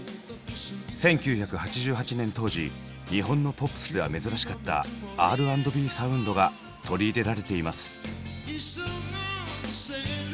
１９８８年当時日本のポップスでは珍しかったＲ＆Ｂサウンドが取り入れられています。